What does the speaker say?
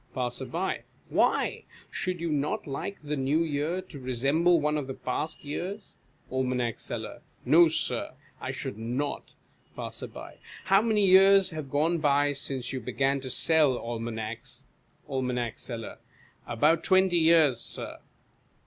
Passer. Why ? Should you not like the New Year to resemble one of the past years ? Aim. Seller. No, Sir, I should not. Passer. How many years have gone by since you began to sell almanacs ? Aim. Seller. About twenty years. Sir.